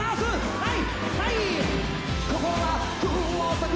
はい！